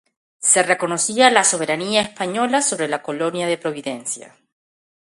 Se reconocía la soberanía española sobre la colonia de Providencia.